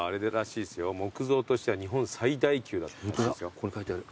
ここに書いてある。